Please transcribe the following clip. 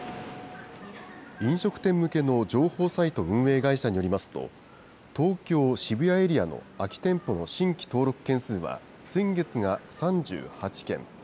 飲食店向けの情報サイト運営会社によりますと、東京・渋谷エリアの空き店舗の新規登録件数は、先月が３８件。